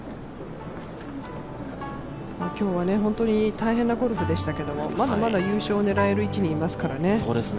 今日は本当に大変なゴルフでしたけれども、まだまだ優勝を狙える位置にいますからね。